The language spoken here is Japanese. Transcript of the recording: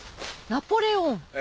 ナポレオン。